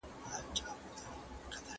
املا د ذهني تمرکز لپاره یوه ښه لاره ده.